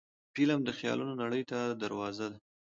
فلم د خیالونو نړۍ ته دروازه ده